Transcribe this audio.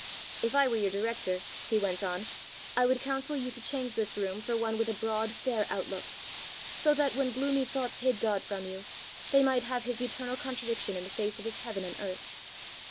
If I were your director," he went on, "I would counsel you to change this room for one with a broad, fair outlook; so that, when gloomy thoughts hid God from you, they might have his eternal contradiction in the face of his heaven and earth."